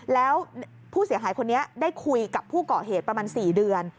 แล้วผู้เสียหายคนนี้ได้คุยกับผู้เกาะเหตุประมาณ๔เดือน